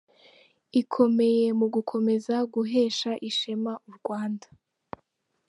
Ikomeye mu gukomeza guhesha ishema u Rwanda.